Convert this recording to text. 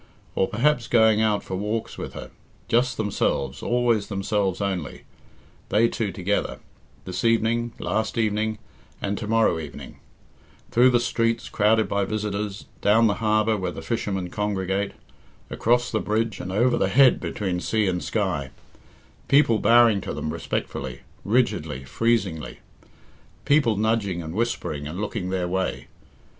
Or perhaps going out for walks with her, just themselves, always themselves only, they two together, this evening, last evening, and to morrow evening; through the streets crowded by visitors, down the harbour where the fishermen congregate, across the bridge and over the head between sea and sky; people bowing to them respectfully, rigidly, freezingly; people nudging and whispering and looking their way.